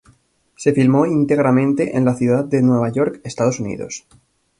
Se filmó íntegramente en la ciudad de Nueva York, Estados Unidos.